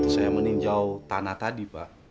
saya meninjau tanah tadi pak